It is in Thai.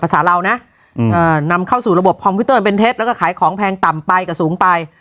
เรานะนำเข้าสู่ระบบคอมพิวเตอร์เป็นเท็จแล้วก็ขายของแพงต่ำไปก็สูงไป